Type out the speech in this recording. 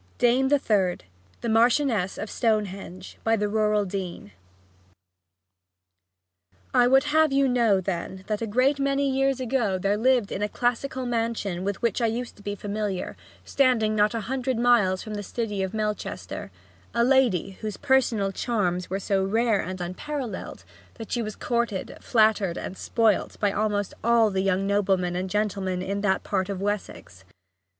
DAME THE THIRD THE MARCHIONESS OF STONEHENGE By the Rural Dean I would have you know, then, that a great many years ago there lived in a classical mansion with which I used to be familiar, standing not a hundred miles from the city of Melchester, a lady whose personal charms were so rare and unparalleled that she was courted, flattered, and spoilt by almost all the young noblemen and gentlemen in that part of Wessex.